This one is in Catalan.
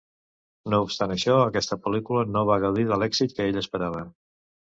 No obstant això aquesta pel·lícula no va gaudir de l'èxit que ell esperava.